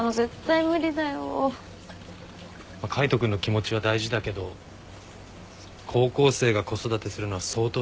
海斗君の気持ちは大事だけど高校生が子育てするのは相当大変だよね。